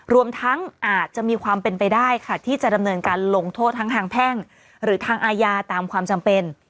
รวมทั้งอาจจะมีความเป็นไปได้ค่ะที่จะดำเนินการลงโทษทั้งทางแพ่งหรือทางอาญาตามความจำเป็น